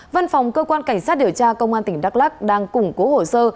văn phòng cơ quan cảnh sát điều tra công an tỉnh đắk lắc đang củng cố hồ sơ